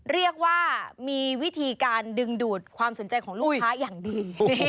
เรียกว่ามีวิธีการดึงดูดความสนใจของลูกค้าอย่างดี